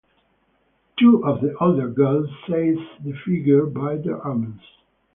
Two of the older girls seize the figure by the arms.